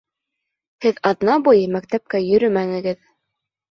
Һеҙ аҙна буйы мәктәпкә йөрөмәнегеҙ